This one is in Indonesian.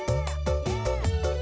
aku mobil sedang